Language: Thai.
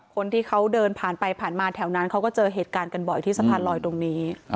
คนที่เขาเดินผ่านไปผ่านมาแถวนั้นเขาก็เจอเหตุการณ์กันบ่อยที่สะพานลอยตรงนี้